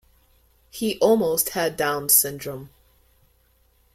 He almost had Downs syndrome.